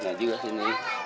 nah juga sini